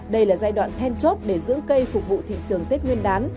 đây là giai đoạn then chốt để dưỡng cây phục vụ thị trường tết nguyên đán